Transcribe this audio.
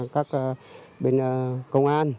các bên công an